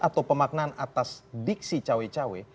atau pemaknaan atas diksi cawe cawe